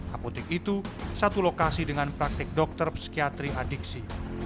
apotik itu satu lokasi dengan praktik dokter psikiatri adiksi